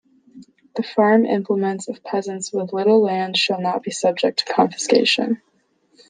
The farm implements of peasants with little land shall not be subject to confiscation.